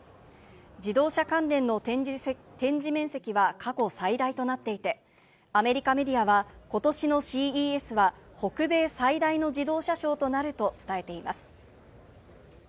自動車関連の展示面積は過去最大となっていてアメリカメディアは今年のＣＥＳは北米最大の自動車ショーとなると伝えています。